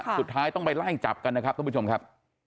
สุดท้ายต้องไปไล่จับกันนะครับท่านผู้ชมครับ